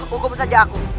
hukum saja aku